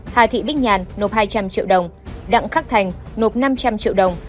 hà thị bích nhàn nộp hai trăm linh triệu đồng đặng khắc thành nộp năm trăm linh triệu đồng